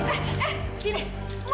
eh eh sini